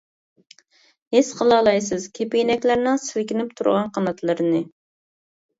ھېس قىلالايسىز، كېپىنەكلەرنىڭ سىلكىنىپ تۇرغان قاناتلىرىنى.